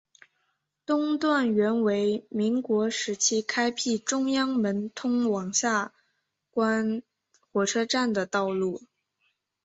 东段原为民国时期开辟中央门通往下关火车站的道路。